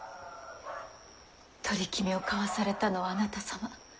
取り決めを交わされたのはあなた様。